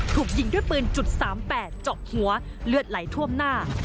ถูกยิงด้วยปืน๓๘เจาะหัวเลือดไหลท่วมหน้า